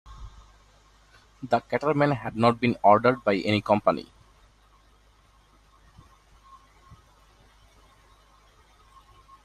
The catamaran had not been ordered by any company.